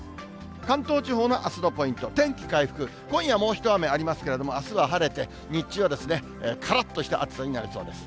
関東地方のあすのポイント、天気回復、今夜もう一雨ありますけれども、あすは晴れて、日中はからっとした暑さになりそうです。